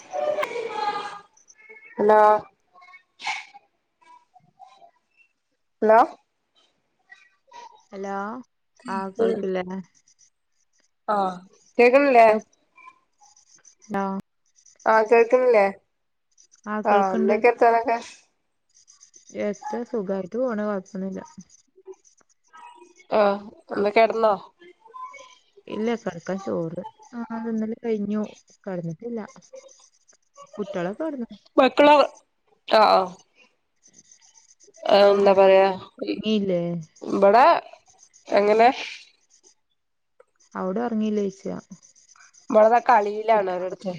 [unintelligible] Hello? Hello? Hello ആഹ് ഉം കേൾക്കില്ലേ? ആഹ് കേക്ക്‌ണ്ല്ലേ? നോ ആഹ് കേക്ക്‌ണില്ലേ ആഹ് എന്തൊക്കെ വർത്താനൊക്കെ? എത്ര സുഖമായിട്ട് പോണ് കൊഴപ്പമൊന്നു ഇല്ല. ആഹ്ഒന്ന് കിടന്നോ? ഇല്ല കിടക്കാൻ ചോറ് ആ തിനല് കഴിഞ്ഞു. കിടന്നിട്ടില്ല. കുട്ടികളൊക്കെ ഉറ മക്കള് ആ ഓ [inaudible] ആ അവിടെ എന്താ പറയാ ഒറങ്ങിയില്ലേ ഇവിടെ എങ്ങനെ? അവിടെ ഉറങ്ങില്ലേന്ന് ചോദിച്ച? മോള് താ കളിയിലാണ് അവരുടുത്ത്.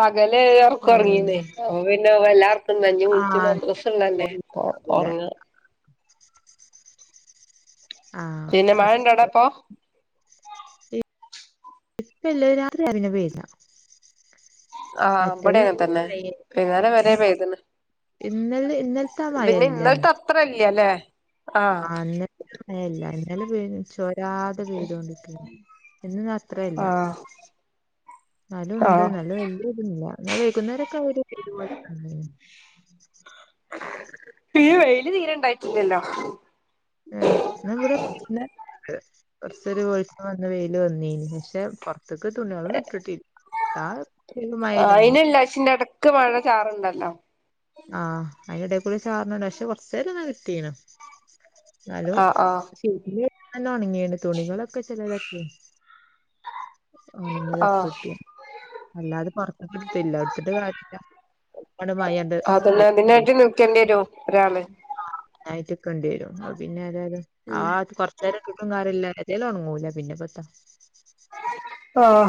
പകല് ഉറക്കം ഉറങ്ങീന്നേ ഏഹ് അപ്പം പിന്നെ എല്ലാം [unintelligible] കഞ്ഞി കുടിച്ച് ആഹ് മദ്രസഉള്ളതല്ലേ ഉറങ്ങാം. ആഹ് പിന്നെ മഴട അവിടെ ഇപ്പോ? ഇപ്പയില്ലേ രാവിലെ അരിഞ്ഞ വെയില് ആഹ് ഇവിടെയുംഅങ്ങനെ നല്ല തന്നെ വൈകുന്നേരം വരെയും പെയ്ത്ണ്. ഇന്നല ഇന്നലത്തെയാ മഴയില്ല ഇന്ന്. അത്രല അല്ലേ? ആ അന്ന് പറയല്ല എന്നാലും ച ചോരാതെ പ്പ പെയ്തോണ്ടി ഇരിക്കാണ്. ഇന്ന്അത്രയു ഇല്ല. ആഹ് ന്നാലും ഉണ്ട് ആഹ് നല്ല വലിയ ഇതില്ല എന്നാ വൈക്കുന്നേരൊക്കെ അവര് ഇതുപലെ ഈ വെയില് തീരെ ഉണ്ടായിട്ടില്ലല്ലോ? ഉം എന്നാ നമ്മുക്ക് പിന്നെ കുറച്ചൊരു വെളിച്ചം വന്ന വെയില് വന്നീന് പക്ഷെ അതൊക്കെ തുണികളും ഇട്ടിട്ടില്ല ഇട്ടാൽ മഴ പെയ്താൽ ഇല്ലശിന്റെ ഇടയ് ക്ക് മഴ ചാറുണ്ടല്ലോ? ആഹ് അതിന്റെ ഇടേക്കൂടി ചാറുന്നുണ്ട് പക്ഷെ കൊറചേരം ഒന്ന് കിട്ടിനു. എന്നാലോ ആഹ് ആഹ് ചീ നല്ല ഉണങ്ങിണ് തുണികളൊക്കെ ചിലതൊക്കെ ഉണങ്ങിയതൊക്കെ ആഹ് കിട്ടി അല്ലാതെ പ എടുത്തില്ല എടുത്തിട്ട് കാര്യം ഇല്ല. ഇവിടെ മഴയണ്ട് ണ്ടി വരുവോ ഒരാള്? അയിനായിറ്റ്ക്കണ്ടിരു പിന്നെ ആരാ ഇത് ആ ചേരകിട്ടും കാര്യം ഇല്ല ഏതാലും ഒണങ്ങുല പിന്നെപ്പത്തി? ആഹ്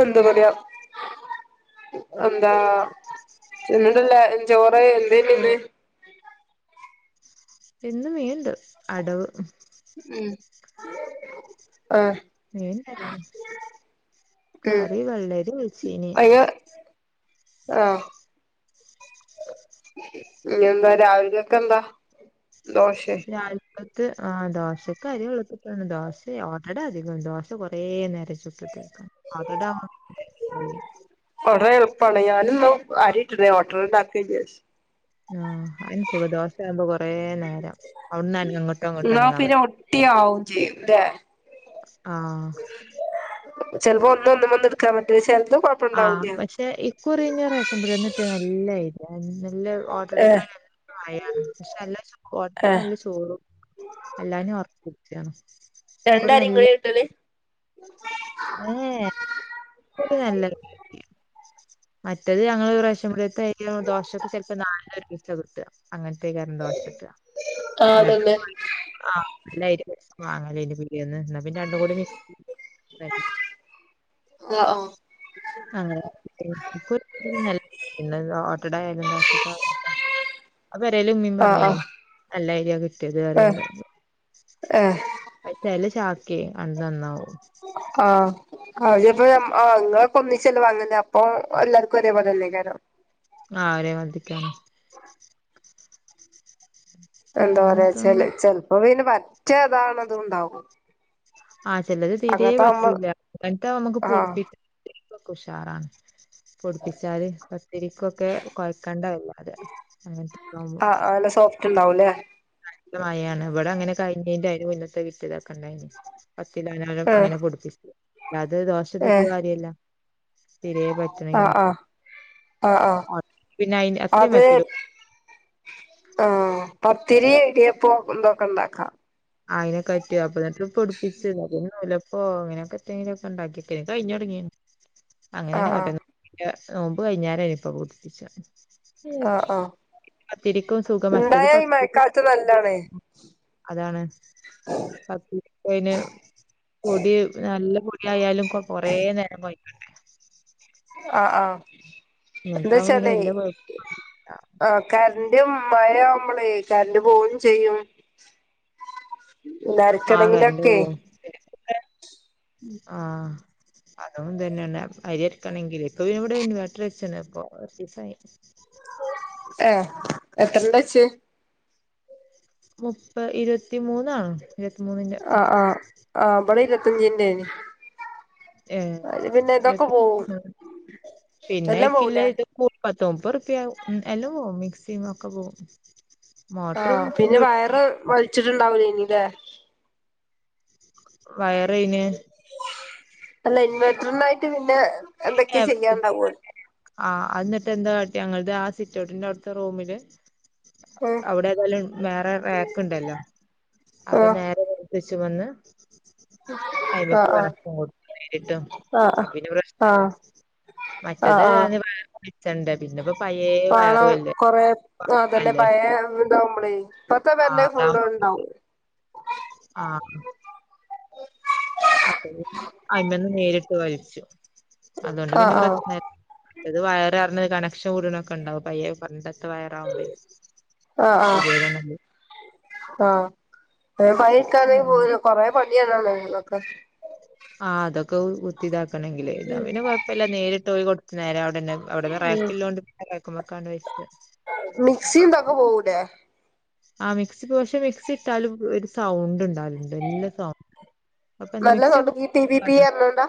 എന്താ പറയ എന്താ ചെന്നല്ലേ ചോറ് എന്തേന് ഇന്ന്? ചോറ് ഇന്ന് മീൻ ഉണ്ട് അടവ് ഉം ആഹ് മീൻ ഇല്ലായിരുന്നു ഉം കറി വെള്ളരി വെച്ചീന് അയ്യ ആഹ് ഇനി എന്താ രാവിലെകെക്കെ എന്താ? ദോശേ രാവി അകത്ത് ആ ദോശക്ക് അരി വെള്ളത്തിലിട്ടേണ് ദോശയാ ഓട്ടട അധികംഇല്ല ദോശ കൊറേ നേരം ചുട്ട് എടുക്കണം ഓട്ടടാവു കുറേ എളുപ്പാണ് ഞാനും അരിയിട്ടിട്ടില്ല. ഓട്ടട ഉണ്ടാക്കണ് ആഹ് അന് സുഖ ദോശആവുമ്പോ കൊറേ നേരം അവിടന്ന് തന്നെ അങ്ങോട്ടും ഇങ്ങോട്ടും അനങ്ങാൻ പറ്റി തീ ആവും ചെയ്യും ലേ ആഹ് ചിലപ്പോ ഒന്ന് ഒന്നും ഒന്നുഎടുക്കാൻ പറ്റില്ല ചെലത് ആഹ് കൊഴപ്പണ്ടാവൂല്ല പക്ഷെ ഇക്കുറിന്ന് റേഷൻ പിടികയിൽ നിന്ന് കിട്ടിയത് നല്ലതായിരുന്നു. നല്ലത് ഏഹ് ഓട്ടടക്കായാലും എല്ലാം നല്ലതാണ്. പക്ഷെ ഏഹ് എല്ലാംഓട്ടടക്ക്നല്ല ചോറും അല്ലാനും ഒർക്കത്തിണ് രണ്ടാര് ഇങ്ങള്ട്ടല്ലേ ഏഹ് ഒരു നല്ലത് മറ്റത് ഞങ്ങൾ റേഷൻ പിടീത്തെ ആയിരൊണ്ട് ദോശൊക്കെ ചിലപ്പോ നാലല്ലും കിട്ടുക അങ്ങനത്തക്കരം ദോശ കിട്ട ആഹ് എന്നട്ട അതന്നെ ആഹ് നല്ലയ്രി വാങ്ങ ന്റെ പിടെന്ന് പിന്നെ രണ്ടും കൂടി മിക്സാ [unintelligible] ഒ ഓ അങ്ങനെ പിന് [unintelligible] ഓട്ടടയാലും ദോശ അഹ് പെരേൽ ഇമമീം ആഹ് ആഹ് പറഞ്ഞേനി നല്ലയ്രിയ കിട്ടിയത് അറിൻ ആഹ് ഡേ ഏഹ് ഏഹ് അഹ് ചേലെ ചാക്ക ക നന്നാവും ആഹ് അപ്പ അങ്ങൊ കൊ ഒന്ന ചിലവാങ്ങല്ല അപ്പൊ എല്ലാവർക്കും ഒരേപോലെന്നേ കാരോ ആഹ് ഒരേ മാതിരിക്കണേ എന്താ പറയാ പിന്നെത്താ ചാല് ചെലപ്പോ പിന് പറ്റതാണത് ഇണ്ടാവും ആഹ് ചെലത് തീരെ പറ്റൂല [unintelligible] നമ്മുക്ക് ആഹ് പൊടിപ്പിക്ക ഉഷാറാണ് പൊടിപ്പിച്ചാല് പത്തിരിക്കൊക്കെ കൊഴക്കണ്ട വല്ലാതെ അങ്ങനത്തക്ക സോഫ്റ്റ്ണ്ടാവുലേ മായാണ് ഇവിടെ അങ്ങനെ കഴിഞ്ഞന്റെും അയിന്റെ മുന്നത്തെ വിട്ടിതാക്കണ്ടായിന് [unintelligible] ഏഹ് അങ്ങനെ പൊടിപ്പിച്ചു അല്ലത് ദോശത്തെത്ത ഏഹ് കാര്യല്ല തീരേ പറ്റണില്ല ആഹ് ആഹ് ആഹ് ആഹ് ഓ, പിന്നെ അയിന് അത്രയും അത് പറ്റൂല ആഹ് പത്തിരി ഇടിയപ്പം ഇതൊക്കെണ്ടാക്കാം ആഹ് അയിനെ കറ്റു അപ്പ എന്നിട്ട് പൊടിപ്പിച്ചല്ല ഓ അങ്ങനൊക്കെ എന്തൊങ്കിലും ഒക്കെ ഉണ്ടാക്കി കഴിഞ്ഞ് തുടങ്ങിയ അങ്ങനെയ ആഹ് തന്നെ കട്ട ആഹ് നോമ്പ് കഴിഞ്ഞരനിയിപ്പൊ പൊടിപ്പിച്ച ആഹ് ആഹ് പത്തിരിക്കും സുഖമറ്റത് ഉണ്ടായ ഈ പത്തി മഴക്കാലത്ത് നല്ലാണ് [unintelligible] നല്ല പൊടിയായാലും കൊറേ നേരം കോയക്ക ആഹ് ആഹ് ഇങ്ങനത്തൊവുമ്പോ പിന്നെ വല്ല കൊഴപ്പൊന്നുല്ല കരന്റും മഴയാ വുമ്പൽ കരന്റ് പോവും ചെയ്യും ആ കറന്റ് നരക്കണെങ്കിലൊക്കെ പോവും ആഹ് അതും തന്നെയാണ് അരിയരക്കണെങ്കിൽ ഇപ്പൊ ഇവിടെ ഇൻവെട്ടർ വെച്ച്ന് ഇപ്പ കൊറച്ചസായി ആഹ് എത്രണ്ട വച്ച് മുപ്പ ഇരുപത്തി മൂന്നാണ് ഇരുപത്തി മൂന്നിന്റെ ആഹ് ആഹ് ആഹ് ബടെ ഇരുപത്തഞ്ചിന്റെ ഏഹ് അയില് പിന്നെ ഇതൊക്കെ ഇരുപത്തി പോകും എല്ലാം പോവൂലേ മുപ്പത്തൊമ്പത് റുപ്യ എല്ലോ പോകും മിക്സി ഒക്കെ പോകും ആഹ് പിന്നെ വയറ് വലിച്ചിട്ടുണ്ടാവൂലേ ഇനല്ലേ വയറയിന് അല്ല ഇൻവെർട്ടറിനായിട്ട് പിന്നെ എന്തൊക്കെയോ ചെയ്യാണ്ടാവോലോ [unintelligible] ആഹ് എനിട്ട് എന്താ കാട്ടി ഞങ്ങളുടെ ആഹ് സിറ്റോട്ടിന്റെവിടുത്തെ റൂമില് ഏഹ് അവിടെ ഏതായാലും വേറെ റാക്ക് ഉണ്ടല്ലോ അപ്പൊ ആഹ് നേരെ ച്ച വന്ന് അയ്മക്ക് ആഹ് കണക്ഷൻ [unintelligible] ആഹ് ആഹ് അപ്പ്പിന്നെ പ്രശ്ന ആഹ് മറ്റത് [unintelligible] പിന്നെപ്പോ പഴയ പണം വയറും അല്ലേ കൊറെ അതെല്ലെ അല്ലേ ഭയ ഇന്താ നമ്മള പത്ത ആ തന്നെ ഫുള് ഉണ്ടാവും ആഹ് അഹ് അയ്മ്മന്ന് നേരിട്ട് വലച്ചു അതുകൊണ്ട് ആഹ് പിന്നെ ആഹ് പ്രശ്ന ത് വയർഞ്ഞത് കണക്ഷൻ കൂടണൊക്കെ ഉണ്ടാവും പയ്യെ പറഞ്ഞിട്ട് പണ്ടെത്തെ വയറ് ആവുമ്പയ ആഹ് ആഹ് ആഹ് അവൈക്കാണെങ്കി പോരും കൊറെേ പണിയാണ നിങ്ങളൊക്കെ ആഹ് അതൊക്കെ കുത്തി ഇതാക്കണമെങ്കിൽ ഇതാ പിന്നെ കൊഴപ്പമല്ല നേരിട്ട് പോയി കൊടു നേരം അവിടെന്നെ അവിടെ ഉം വെറൈറ്റിലോണ്ട് ഇപ്പറാക്ക്മ്മക്കങ്ങ് വച്ച് മിക്സിന്തൊക്കെ പോവൂലെ ആഹ് മിക്സി പക്ഷെ മിക്സി ഇട്ടാലും ഒരു സൗണ്ട് ഉണ്ടാലുണ്ട് എല്ലാ സൗണ്ട് അപ്പൊ എന്താ മിക്സിയൊക്കെ നല്ലതൊണ്ടങ്കി ഇ പി വി പറഞ്ഞോണ്ടാ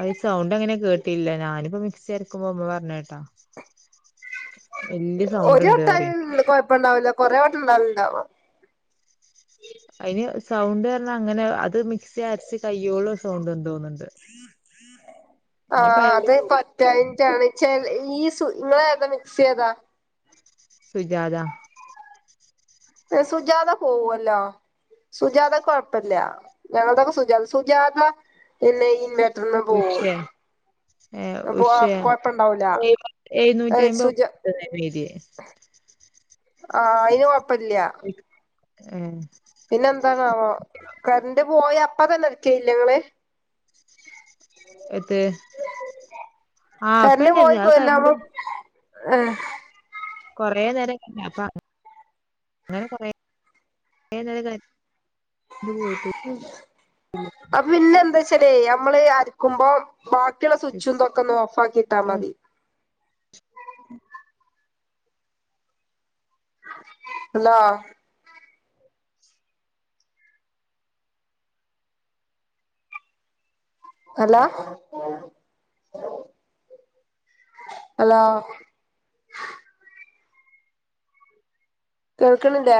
അഹ് സൗണ്ട് എങ്ങനെ കേട്ടിട്ടില്ല ഞാനിപ്പോ മിക്സി അർക്കുമ്പോ അമ്മ പറഞ്ഞ കേട്ടാ വല്യ സൗണ്ട് ഒരു ഉണ്ട് പറയും വട്ടംകൊഴപ്പ ഇണ്ടാവില്ല കൊറെേ വട്ടം ഉണ്ടുണ്ടാവ അതിന് സൗണ്ട് വരുന്ന അങ്ങനെ അത് മിക്സി അരച്ച കയ്യോള്ളൂ സൗണ്ട് എന്ത തോന്നുന്നുണ്ട് ആ ഇനിയിപ്പോ അത് അയാളോട് പ പറയാ റ്റായ്ൻറ്റാണ് ച്ച ഈ സു ങ്ങളേതാ മിക്സി ഏതാ സുജാത സുജാത പോവല്ലോ സുജാത കൊഴപ്പല്ല ഞങ്ങളതൊക്കെ സുജാത സുജാത പിന്നെ ഈ [unintelligible] ഏ ഉഷേ കൊഴപ്പണ്ടാവൂല എഴുന്നൂ എഴുന്നൂ സുജ [unintelligible] ആ അയ്ന് കൊഴപ്പല്ല ഏ പിന്നെന്താണാവോ കറൻ്റ് പോയ അപ്പത്തെന്നെ അരക്കല്ലേ ങ്ങള് എത്ത് ആ അപ്പെന്നല്ലെ അത് കറൻറ് ഏ കൊറേ നേരം [unintelligible] അപ്പ അങ്ങനെ കൊറെ [unintelligible] അ പിന്നെന്താച്ചലേ നമ്മള് അര് ക്കുമ്പോ ബാക്കിള്ള സ്വിച്ചും തൊക്കൊ ന്ന് ഓഫാക്കി ട്ടാ മതി ഹലോ ഹലോ ഹലോ കേക്ക്ണില്ലേ